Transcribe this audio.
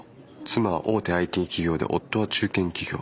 妻大手ＩＴ企業で夫は中堅企業。